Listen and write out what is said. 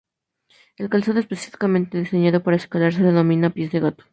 El calzado específicamente diseñado para escalar se denomina pies de gato.